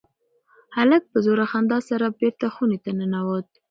هلک په زوره خندا سره بېرته خونې ته ننوت.